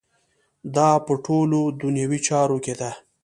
دا په ټولو دنیوي چارو کې ده.